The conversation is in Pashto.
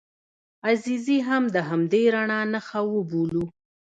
عزیزي هم د همدې رڼا نښه وبولو.